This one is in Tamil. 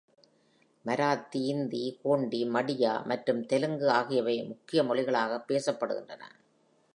மராத்தி, இந்தி, கோண்டி, மடியா மற்றும் தெலுங்கு ஆகியவை முக்கிய மொழிகளாக பேசப்படுகின்றன.